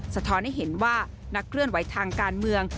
สะท้อนให้เห็นว่านักเคลื่อนไหวทางการเมือง